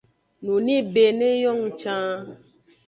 Nunibe ne yong can.